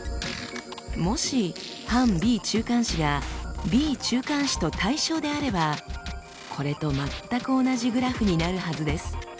もし反Ｂ中間子がＢ中間子と対称であればこれと全く同じグラフになるはずです。